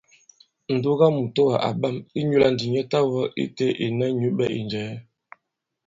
Ǹdugamùtowà à ɓam ; ìnyula ndi a ta wɔ ite ìna nyũɓɛ ì njɛ̀ɛ.